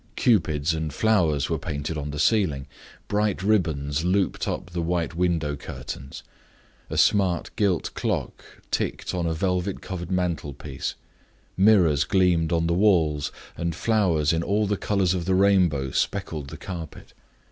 Cupids and flowers were painted on the ceiling; bright ribbons looped up the white window curtains; a smart gilt clock ticked on a velvet covered mantelpiece; mirrors gleamed on the walls, and flowers in all the colors of the rainbow speckled the carpet.